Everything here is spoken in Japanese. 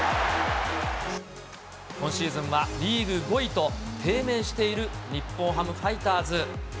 今シーズンはリーグ５位と、低迷している日本ハムファイターズ。